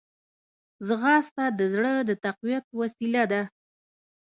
ځغاسته د زړه د تقویت وسیله ده